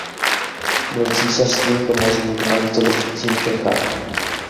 Byl císařským komořím a místodržícím v Čechách.